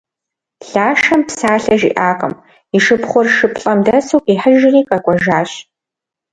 Лашэм псалъэ жиӏакъым, и шыпхъур шыплӏэм дэсу къихьыжри къэкӏуэжащ.